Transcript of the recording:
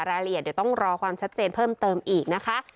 รายละเอียดเดี๋ยวต้องรอความชัดเจนเพิ่มเติมอีกนะคะ